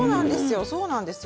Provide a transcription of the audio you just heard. そうなんですよ。